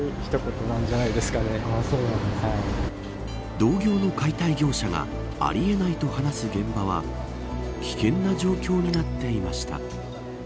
同業の解体業者があり得ないと話す現場は危険な状況になっていました。